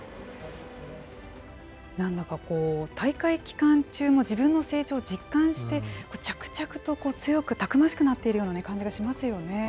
なんだか、大会期間中も自分の成長を実感して着々と強くたくましくなっているような感じがしますよね。